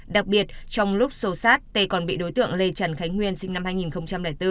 đặc biệt trong lúc sâu sát tê còn bị đối tượng lê trần khánh nguyên sinh năm hai nghìn bốn